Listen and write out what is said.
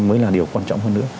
mới là điều quan trọng hơn nữa